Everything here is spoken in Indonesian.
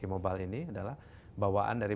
mobile ini adalah bawaan dari